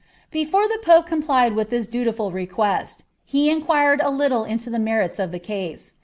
Before the pope complied with this dutiful request, he inquired a little into the meiits of ilic case, lixl ' Maitliaw Paris.